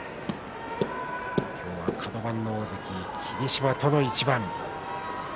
今日はカド番の大関霧島との一番です。